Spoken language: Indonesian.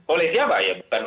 oleh siapa ya bukan